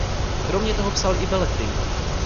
Kromě toho psal i beletrii.